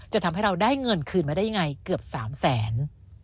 ทำให้เราได้เงินคืนมาได้ยังไงเกือบ๓แสน